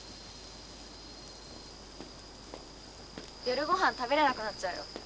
夜ごはん食べれなくなっちゃうよ。